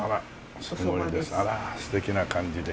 あら素敵な感じで。